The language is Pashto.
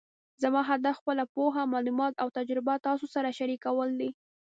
زما هدف خپله پوهه، معلومات او تجربه تاسو سره شریکول دي